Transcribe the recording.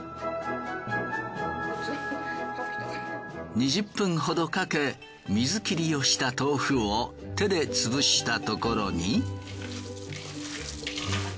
２０分ほどかけ水切りをした豆腐を手でつぶしたところに。